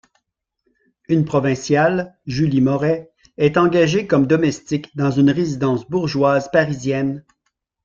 Une provinciale, Julie Moret, est engagée comme domestique dans une résidence bourgeoise parisienne.